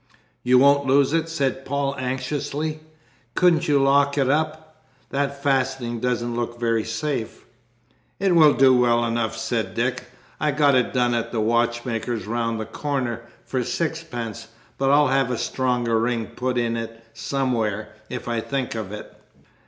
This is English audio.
"You won't lose it?" said Paul anxiously. "Couldn't you lock it up? that fastening doesn't look very safe." "It will do well enough," said Dick. "I got it done at the watchmaker's round the corner, for sixpence. But I'll have a stronger ring put in somewhere, if I think of it."